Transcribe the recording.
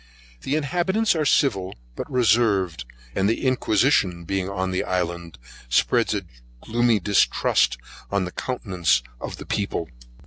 The inhabitants are civil, but reserved, and the inquisition being on the island, spreads a gloomy distrust on the countenance of the people.